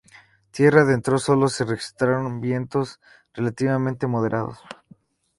Tierra adentro, sólo se registraron vientos relativamente moderados.